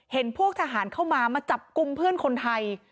พวกทหารเข้ามามาจับกลุ่มเพื่อนคนไทย